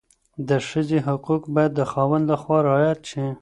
د ښځې حقوق باید د خاوند لخوا رعایت شي.